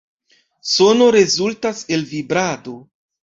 Sono rezultas el vibrado.